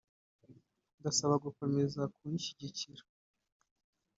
ndabasaba gukomeza kunshyigikira